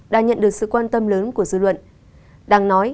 đã nhận được sự quan tâm lớn của dư luận